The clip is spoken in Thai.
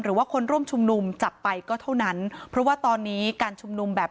หรือว่าคนร่วมชุมนุมจับไปก็เท่านั้นเพราะว่าตอนนี้การชุมนุมแบบ